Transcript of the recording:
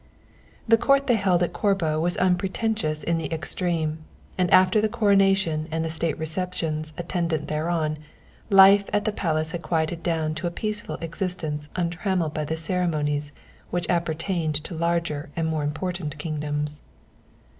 The court they held at Corbo was unpretentious in the extreme, and after the coronation and the state receptions attendant thereon, life at the palace had quieted down to a peaceful existence untrammelled by the ceremonies which appertained to larger and more important kingdoms.